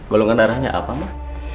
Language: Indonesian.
golongan darahnya apa mbak